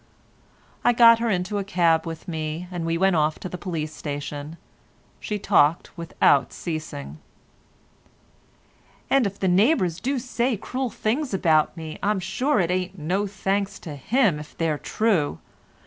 I got her into a cab with me, and we went off to the police station. She talked without ceasing. "And if the neighbours do say cruel things about me, I'm sure it ain't no thanks to him if they're true.